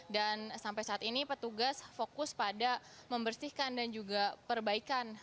dan sampai saat ini petugas fokus pada membersihkan dan juga perbaikan